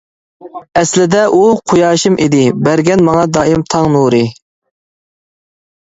ئەسلىدە ئۇ، قۇياشىم ئىدى بەرگەن ماڭا دائىم تاڭ نۇرى.